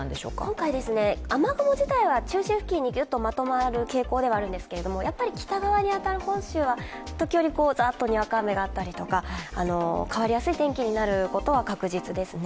今回、雨雲自体は中心部分にまとまる傾向ではあるんですけど北側に当たる本州は、時折、ザーッとにわか雨だったり、変わりやすい天気になることは確実ですね。